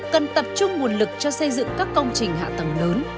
cần tập trung nguồn lực cho xây dựng các công trình hạ tầng lớn